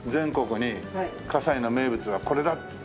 西の名物は「これだ！」っていうさ。